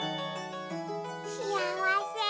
しあわせ。